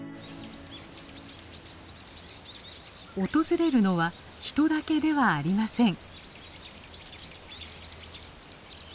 訪れるのは人だけではありません。